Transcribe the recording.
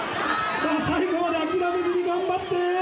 最後まで諦めずに頑張って。